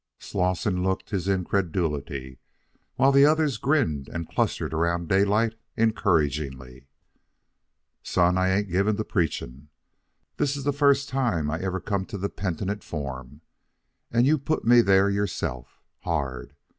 Slosson looked his incredulity, while the others grinned and clustered around Daylight encouragingly. "Son, I ain't given to preaching. This is the first time I ever come to the penitent form, and you put me there yourself hard.